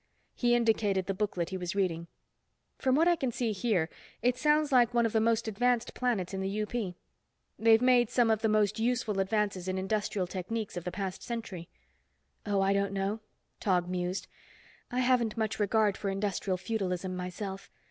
He indicated the booklet he was reading. "From what I can see here, it sounds like one of the most advanced planets in the UP. They've made some of the most useful advances in industrial techniques of the past century." "Oh, I don't know," Tog mused. "I haven't much regard for Industrial Feudalism myself.